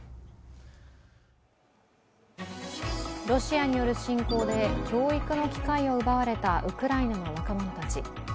ロシアによる侵攻で教育の機会を奪われたウクライナの若者たち。